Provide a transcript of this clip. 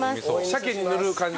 鮭に塗る感じ？